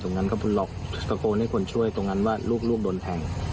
ตรงนั้นก็บุรกกรณ์ให้คนช่วยตรงนั้นว่าลูกโดนแทง